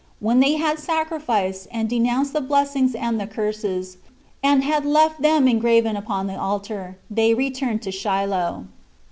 And when they had sacrificed, and denounced the [blessings and the] curses, and had left them engraven upon the altar, they returned to Shiloh.